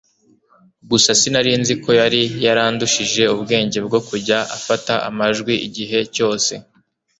gusa sinarinzi ko yari yarandushije ubwenge bwo kujya afata amajwi igihe cyose